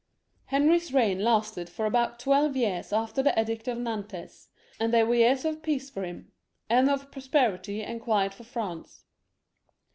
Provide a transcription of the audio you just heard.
Henry's reign lasted for about twelve years after the Edict of Nantes, and they were years of peace for him, and of riches and quiet for France.